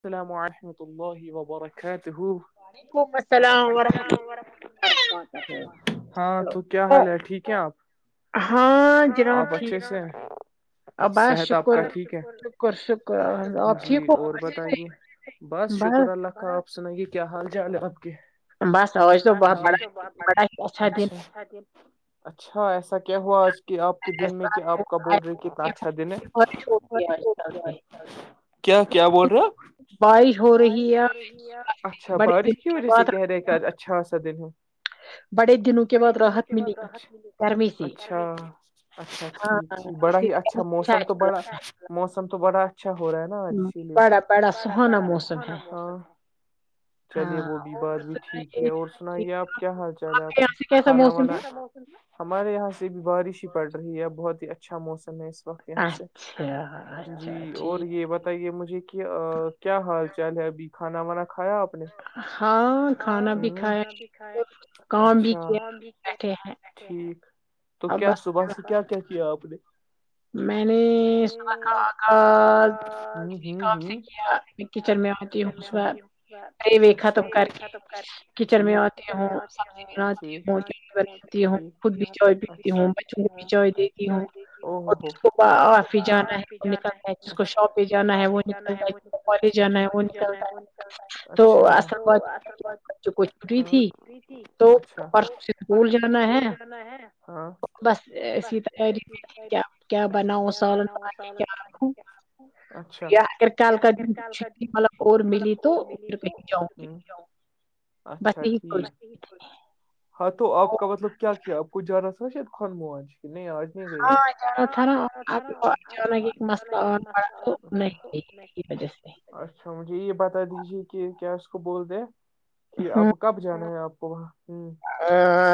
السلام وورحمۃ اللہ وبرکاتہ وعلیکم السلام ورحمۃ اللہ و ہاں آپ بچھے سے صحت آپ کا ٹھیک ہے جی اور بتائیے بس شکر اللہ کا آپ سنائیے کیا حال چال ہے آپ کے بس اورش تو بہت بڑا بڑا ہی اچھا دن تی [unintelligible] [inaudible] اچھا ایسا کیا ہوا آج کہ آپ کے دن میں کیا آپ کا بول رہے کتنا اچھا دن ہے کیا کیا بول رہے ہوپ ب ہو رہی اچھا بارش کی وجہ سے کہہ رہے کہ آج اچھا خاصا دن ہے بڑے دنوں کے بعد راحت ملی گرمی سے اچھا ٹھیک ٹھیک بڑا ہی اچھا موسم تو بڑا موسم تو بڑاچھا اچھا ہو رہا ہے نا آج اسی لیے چلیے وہ بھی بات بھی ٹھیک ہے اور سناے آپ کیا حال چال ہے آپ کھانا وانا ہمارے یہاں سے بھی بارش ہی پڑ رہی ہے بہت ہی اچھا موسم ہے اس وقت یہاں سے جی اور یہ بات بتائیے مجھے کہ کیا حال چال ہے ابھی کھانا وانا کھایا آپ ہاں کھانا بھی کھایا ہے اچھا ٹھیک تو کیا صبح سے کیا کیا کیا آپ نے [inaudible] [unintelligible] میں نے س ک کا کسی کام سے کیا کچن میں آتی ہوں صبح اے ویکھا تم کر کے کچن میں آ سی بناتی ہوں چ بناتی ہوں خود بھی چوائے پتی ہوں بچوں کو بجوائے دیتی ہوں او ہو ہو [inaudible] [unintelligible] اور کوپ ہی جانا ہے نتا ہے کو شاپ پہ جانا ہے وہ نکلتا ہےالے جانا ہے وہ اچھا اچھا پرکول جانا ہے ہاں بس سی تاری کیا بناو سال رکھو آ ک کر دن مب اور ملی تو اھر کہ جاؤں گی اچھا ٹھیک ہاں تو آپ کا مطلب کیا کیا آپ کو جانا سید خان مان نہیں آج ہاں جا تھرا آ مسلہ پڑا نہیں کی وجہ سے اچھا مجھے یہ بتا دیجیے کہ کیا اس کو بول د ہیں کہ اب کب جانا ہے آپ کو وہاں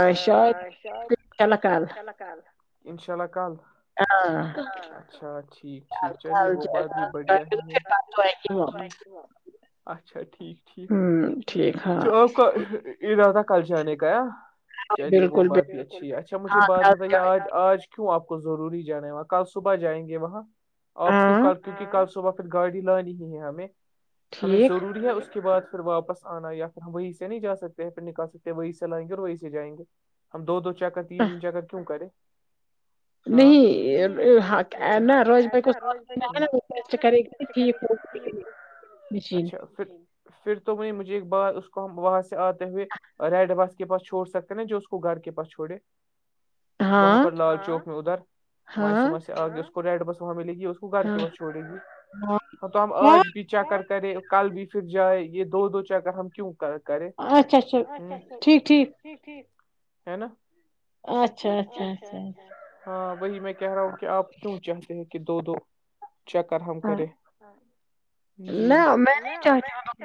ہید چلکا انشاء اللہ کال ہاں چ ج ہو ج اچھا ٹھیک ٹھیک تو اددہ کل جانے کا چلیے وہ بات بھی اچھی ہے اچھا مجھ آج کیوں آپ کو ضروری جانا ہے وہاں کل صبح جائیں گے وہاں آپ کیوں کل کیونکہ کل سب ب پھر گاڑی لانی ہے ہمیں ہمیں ضروری ہے اس کے بعد پھر واپس آنا یا پھر ہم وہیں سے نہیں جا سکتے پھر نک آ سکتے وہیں سے لائیں گے اور وہیں سے جائیں گے ہم دو چک تین د جگہ کیوں کرے نہیں نا روش بھائی کو سوینا ہے نا وہٹ کرے گا اچھا فنگ پھر تویں مجھے ایک بار اس کو ہم وہاں سے آتے ہوئے ریڈ بس کے پاس چوڑ سکتے نا جو اس کو گھر کے پس چھوڑے وہاں پر لال چوک میں ادھر ماں سما سے آ گئے اس کو ریڈ بس وہاں ملے گی اس گھر کے بس چھوڑے گی ہاں تو ہم آج بھی چکر کرے کل بھی پھر جائے یہ دو دو چکر ہم کیوں ک کراری اچھا اچھا ٹھیک ٹھیک ٹیک ٹھیک ہے نا اچھا اچھا اچھاچ ہاں وہی میں کہہ رہا ہوں کہ آپ کیوں چاہتے ہیں کہ دو دو چکر ہم کرے نہ میں نہیں چاہتیابلم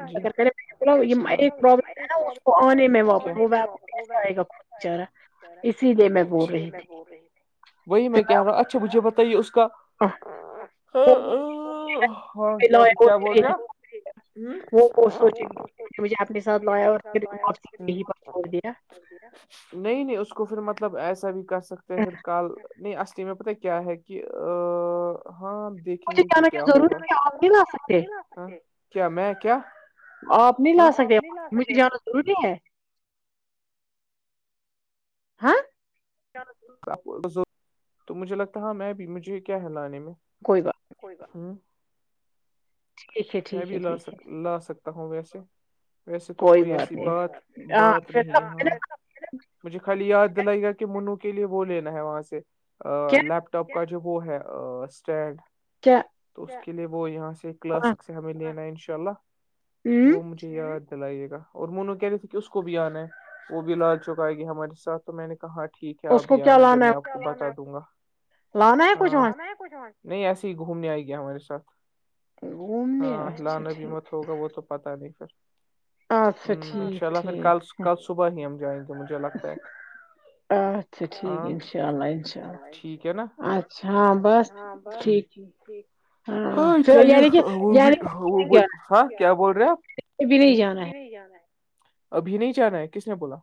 ن آنے میں وہ آپ کو کیسا آئے گاچارا وہی میں کہہ رہا ہوں اچھا مجھے بتائیے اس کا کیا کیا بول رہے آپ وہ وہ سوچے مجھے اپنے ساتھ لایا اورہ ہیڑ دیا نہیں نہیں اس کو پھر مطلب ایسا بھی کر سکتے ہیں پھر کل نہیں اصلیم میں پتا کیا ہے کہ ہاں دیک ج کیا ن کیا ضروری کیا آپ نہیں نہ آ سکتے ہ کیا میں کیا آپ نہیں لا سکتے مجھے جانا ضروری ہے ہاں تو مجھے لگتا ہ میں بھی مجھے کیا ہے لانے میں کوئی گا کو ہ میں بھی لا سک لا سک ہوں ویسے ویسے تو کوئی ایسی بات بات نہیں ہے ہاں مجھے خالی یاد دلائے گا کہ منو کے لیے وہ لینا ہے وہاں سے لیپ ٹاپ کا جو وہ ہے اسٹڈ کیا تو اس کے لیے وہ یہاں سے کلاسک سے ہمیں لینا ان شاء اللہ تو وہ مجھے یاد دلائیے گا اور مونو کہہ رہی تھے کہ اس کو بھی آنا ہے وہ بھی لال چک آئے گی ہمارے ساتھ تو میں نے کہا ٹھیک ہے اپ بھیان ہے جب میں آپ کو بتا دوں گا ہاں نہیں ایسے ہی گھومنے آئے گیا ہمارے ساتھ ہاں لانا بھی مت ہوگا وہ تو پتا نہیں پھر ہ انشاء اللہ پھر کل کل صبح ہی ہم جائیں گے مجھے لگتا ہے ہ [unintelligible] اچھا ٹھیک انشاء اللہ انشاء اللہ اچھا ہاں بس ٹھیک ٹیک ہاں چاہے وہ بھی وہ بھی ہاں کیا بول رہے آپ نہیں جانا ابھی نہیں جانا ہے کس نے بولا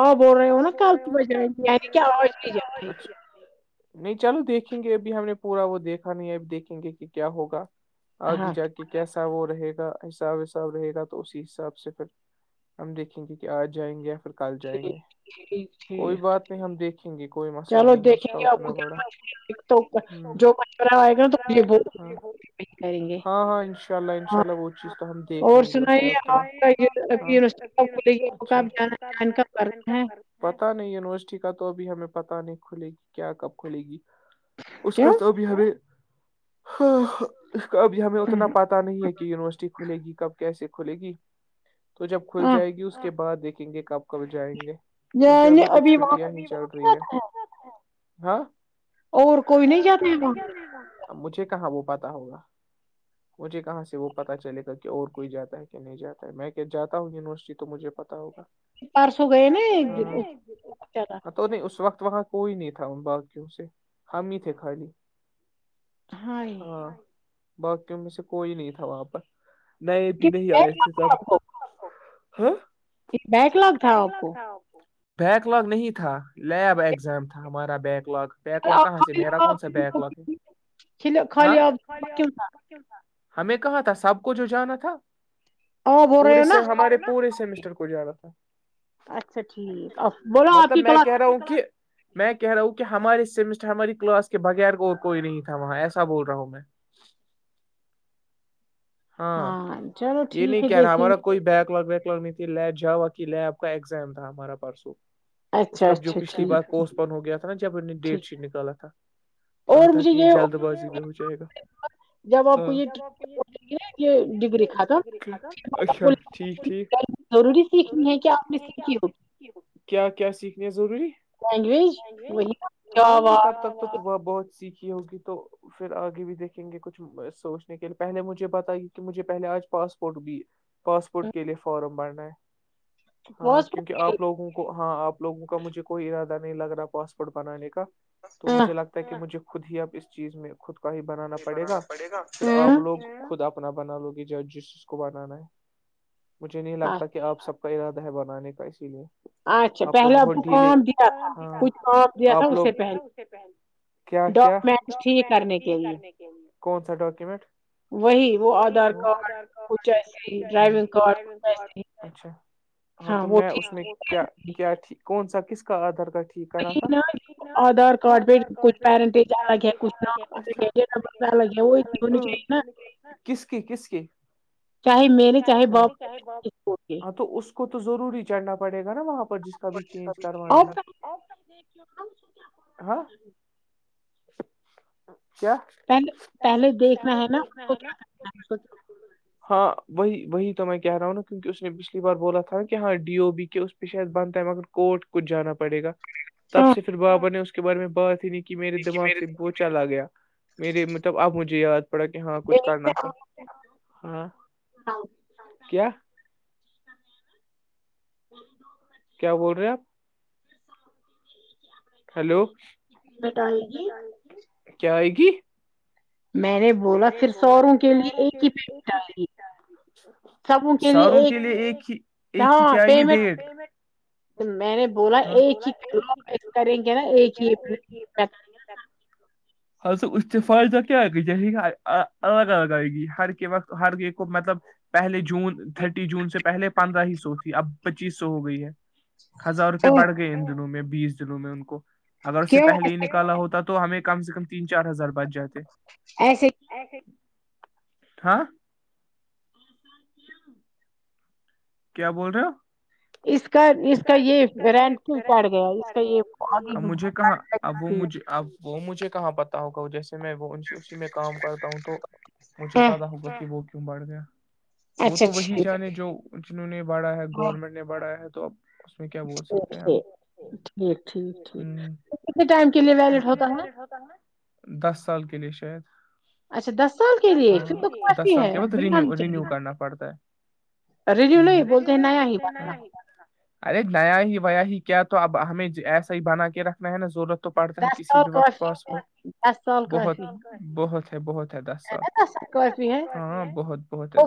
آؤ بول رہے ہو نا کل صبح جائیں گے یعنی کہ آواز نہیں جا رہی نہیں چلو دیکھیں گے ابھی ہم نے پورا وہ دیکھا نہیں ہے اب دیکھیں گے کہ کیا ہوگا آگے جا کے کہ کیسا وہ رہے گا حساب وساب رہے گا تو اسی حساب سے پھر ہم دیکھیں گے کہ آج جائیں گے یا پھر کل جائیں گے کوئی بات نہیں ہم دیکھیں [unintelligible] چلو دیکھیں گے آپ کو کیاچ تو جو مچورا آئے گا تو ہاں ہاں ہاں انشاء اللہ انشاء اللہ وہ چیز تو ہم دیکھ لیں گے اس میں اتنا ہاں کل کاب جانا جان کا کرنا ہے پتا نہیں یونیورسٹی کا تو ابھی ہمیں پت نہیں کھلے گی کیا کب کھلے گی اس کا تو ابھی ہمیں ہ کب ہمیں اتنا پتہ نہیں ہے کہ یونیورسٹی کھلے گی کب کیسے کھلے گی تو جب کھل جائے گی اس کے بعد دیکھیں گے کب کب جائیں گے کیونکہ ابھی تو چ نہیں چل رہی ہے ہاں اور کوئی نہیں جاتد ہیں مجھے کہاں وہ پتا ہوگا [inaudible] مجھے کہاں سے وہ پتا چلے گا کہ اور کوئی جاتا ہے کہ نہیں جاتا ہے میں کیا جاتا ہوں یونیورسٹی تو مجھے پتا ہوگا پرسوں گئے ن زہ تو نہیں اس وقت وہاں کوئی نہیں تھا ان باغیوں سے ہم ہی تھے خالی ہاں باقیوں میں سے کوئی نہیں تھا وہاں پر نئے بھی نہیں آئے تھے تب ہاں ایک بیکلاگ تھا آپ کو [inaudible] بیک لگ نہیں تھا لیب اگزام تھا ہمارا بیک لگ بیک لگ کہاں سے میرا کون سا بیک لگ ہے ہاں ہمیں کہاں تھا سب کو جو جانا تھا پورے سے ہمارے پورے سے مسر کو جانا تھا اچھا ٹھیک ا مطلب میں کہہ رہا ہوں کہ میں کہہ رہا ہوں کہ ہمارے سمسٹر ہماری کلاس کے بغیر کو اور کوئی نہیں تھا وہاں ایسا بول رہا ہوں میں ہاں چلو ٹھیک ہے دیکھیں گے کوئی بیک لگ ویک لگ نہیں تھی لے جاوا کی لب کا ایگزام تھا ہمارا پرسوں اس کا جو پچھلی بار پوسٹپن ہو گیا تھا نا جب ان نے ڈیٹ شیٹ نکالا تھا کہا تھا کہ یہ جلد بازی میں ہو جائے گا جب آپ کو یہ یہ ڈگری کا تھا ضروری سیکھنی ہے کہ آپ نے سیکھی ہوگی کیا کیا سیکھنے ضروری لینگویج وہی کیا تھوڑا بہت سیکھی ہوگی تو پھر آگے بھی دیکھیں گے کچھ سوچنے کے لیے پہلے مجھے بتائی کہ مجھے پہلے آج پاسپورٹ بھی پاسپورٹ کے لیے فارم بھرنا ہے ہاں کیونکہ آپ لوگوں کو ہاں آپ لوگوں کا مجھے کوئی ارادہ نہیں لگ رہا پاسپورٹ بنانے کا تو مجھے لگتا تاکہ مجھے خود ہی اب اس چیز میں خود کا ہی بنانا پڑے گا پھر آپ لوگ خود آپ اپنا بنا لو گی ج جس جس کو بنانا ہے مجھے نہیں لگتا کہ آپ سب کا ارادہ ہے بنانے کا اسی لیے اچھا پہلے آپ کو کام دیا تھا کچھ کام دیا تھا اس سے پہلے کیا کیا ڈاکومٹ کرنے کے لیے کون سا ڈاکومنٹ وہی وہ آدھار کارڈ کچھ ایسے ہی ڈرائیونگ کارڈ کچھ ایسے ہی اچھا ہاں تو میں اس میں کیا کیا تھی کون سا کس کا آدھار کارڈ س آدھ کڈ کسک کسک چاہے میر نے چاہے بپ اس کے کو تو ضروری چڑھنا پڑ گا نا وہاں پ جس کا بھی چینج کروانا ہے ہاں کیا پہلے پہلے دیکھنا ہے نا اس کو کیا کرنا اس ہاں وہی وہی تو میں کہہ رہا ہوں نا کیک اس نے پچھلی بار بولا تھا کہ ہاں ڈی او بی کے اس پیش بنتا ہے مگر کوٹ کچھ جانا پڑے گا تب سے پھر بابا نے اس کے بارے میں بات ہی نہیں کی کہ میرے دماغ سے وہ چلا گیا میرے مطلب اب مجھے یاد پڑا کہ ہاں کچھ کرنا تھا ہاں کیا [unintelligible] کیا بول رہے آپ ہیلو کیا آئے گی میں نے بولا پھر سوروں کے لیے ایک ہی پیمٹ آئے گی سبوں کے لیے ایک ہاں پیمنٹ میں نے بولا ایک ہی کر لو ایسے کریں گے نا ایک ہی ہاں تو اس سے فائدہ کیا ہے کہ ج الگ الگ آئے گی ہر کے وقت ہر ایک کو مطلب پہلے جون تھرٹی جون سے پہلے پندرہ ہی سو تھی اب پچیس سو ہو گئی ہے ہزار روپئے بڑھ گئے ان دنوں میں بیس دنوں میں ان کو اگر اس سے پہلے ہی نکل کا ہوتا تو ہمیں کم سے کم تین چار ہزار بچ جاتے ایسے ہاں [inaudible] کیا بول رہے ہو اس کا اس کا یہ رینٹ کیوں پڑ گیا اس کا یہ اب وہ مجھے اب وہ مجھے کہاں پتا ہوگا جیسے ج میں وہ اسی میں کام کرتا ہوں تو مجھے پتا ہوگا کہ وہ کیوں بڑھ گیا وہ تو وہی جانے جو جنہوں نے بڑھا ہے گورنمنٹ نے بڑھا ہے تو اب اس میں کیا بول سکتے ہیں ہم ٹھیک ٹھیک ٹھیک تو کتنے ٹائم کے لیے ویلڈ ہوتا ہے تا نا [inaudible] دس سال کے لیے شاید دس سال کے بعد رو رینیو کرنا پڑتا ہے ا رے جیو نہیں بولتے ہی نہیں آ باتما [inaudible] ارے نیا ہی ویا ہی کیا تو اب ہمیں ایسا ہی بنا کے رکھنا ہے نا ضرورت تو پڑھتا ہے کسی بھی وقت پاس کو بہت بہت ہے بہت ہے د س بھی ہے وہ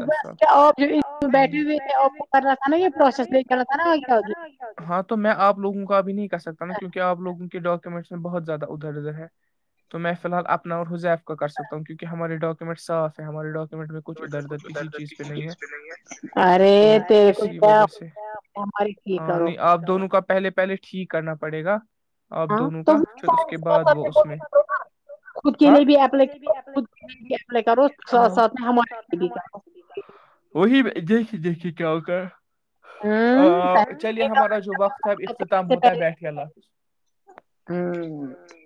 آ بیٹھے ہوئے [inaudible] کرا تا یہ پروسس بھی کتانا آ ہگے [inaudible] ہاں تو میں آپ لگوں کو کابھی نہیں کہہ سکتا نا کیوںکہ آ لوگوں کے ڈاکومنٹس میں بہت زیادہ ادھر ادھر ہے تو میں فی الال اپنا اور ہزیف کا کر سک ہوں کیونکہ ہماراری ڈاکومنٹ صاف ہے ہمارے ڈاکومنٹ میں کچھ ادھر ا دھر کسی چیز پہ نہیں ہے ارے تو اسی وجہ سے ہاں نہیں آپ دونوں کا پہلے پہلے ٹھیک کرنا پڑے گا آپ دونوں کا پھر اس کے بعد وہ اس میں خود کے لیے بھی اپلائی کرو خود کے لیے بھی اپلائی کرو ساتھ ساتھ میں ہمارے لیے بھی کرو [inaudible] وہی دیکھی دیکھی کیا ہو کر ا چلیے ہمارا جو وقت ہے ا اختتام ہوتا ہے بیٹھے اللہ حافظ ہاں [inaudible]